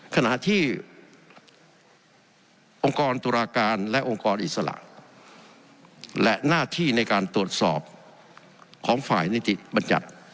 ขณะที่องค์กรตุลาการและองค์กรอิสระและหน้าที่ในการตรวจสอบของฝ่ายนิติบัญญัติ